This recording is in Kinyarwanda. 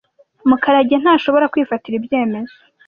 Mukarage ntashobora kwifatira ibyemezo.